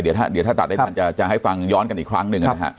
เดี๋ยวถ้าตัดจะให้ฟังย้อนกันอีกครั้งนึง